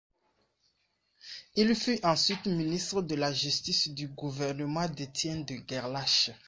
Il fut ensuite ministre de la Justice du gouvernement d'Étienne de Gerlache.